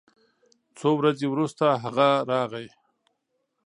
څو ورځې وروسته هغه راغی